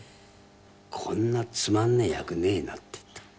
「こんなつまんねえ役ねえな」って言ったって。